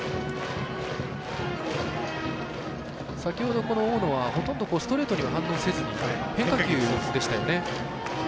先ほどこの大野はほとんどストレートには反応せずに変化球でしたよね。